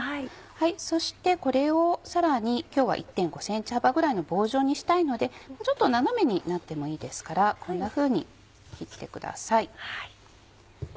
そしてこれをさらに今日は１．５ｃｍ幅ぐらいの棒状にしたいのでちょっと斜めになってもいいですからこんなふうに切ってください。